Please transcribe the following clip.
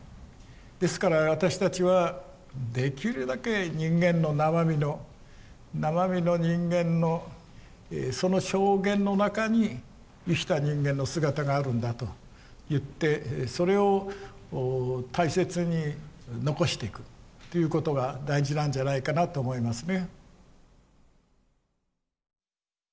ですから私たちはできるだけ人間の生身の生身の人間のその証言の中に生きた人間の姿があるんだといってそれを大切に残していくっていうことが大事なんじゃないかなと思いますね。